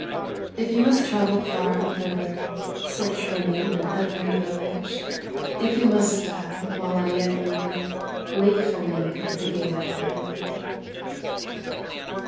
If you must travel far up river, Search for me in every village; If you must die, while I yet linger, Wait for me at the Gate of Heaven."